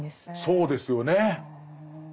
そうですよね。